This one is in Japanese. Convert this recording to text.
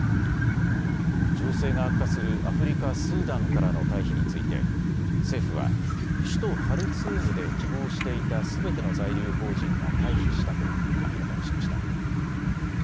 情勢が悪化するアフリカ・スーダンからの退避について政府は首都ハルツームで希望していたすべての在留邦人が退避したと明らかにしました。